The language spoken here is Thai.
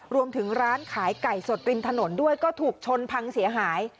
รวมถึงร้านขายไก่สดริมถนนด้วยก็ถูกชนพังเสียหาย